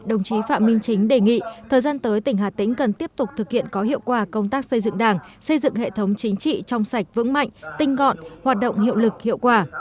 đồng chí phạm minh chính đề nghị thời gian tới tỉnh hà tĩnh cần tiếp tục thực hiện có hiệu quả công tác xây dựng đảng xây dựng hệ thống chính trị trong sạch vững mạnh tinh gọn hoạt động hiệu lực hiệu quả